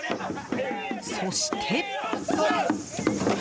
そして。